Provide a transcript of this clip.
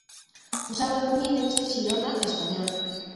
O sábado mídense Xirona e Español.